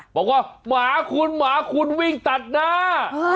บอกว่าหมาคุณหมาคุณวิ่งตัดหน้า